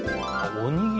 おにぎり。